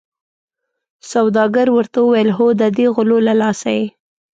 سوداګر ورته وویل هو ددې غلو له لاسه یې.